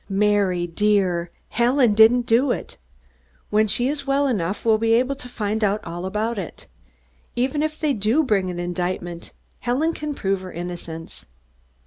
"Mary, dear, Helen didn't do it. When she is well enough, we'll be able to find out all about it. Even if they do bring an indictment, Helen can prove her innocence."